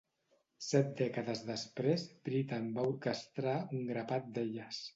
Set dècades després, Britten va orquestrar un grapat d'elles.